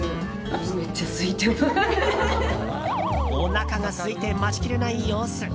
おなかがすいて待ちきれない様子。